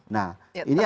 nah ini artinya